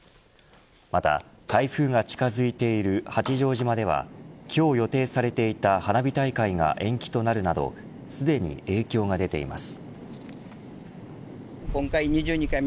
また台風が近づいている八丈島では今日予定されていた花火大会が延期となるなどすでに影響が出ています。